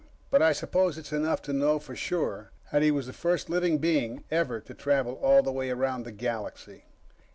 But I suppose it's enough to know for sure that he was the first living being ever to travel all the way around the galaxy.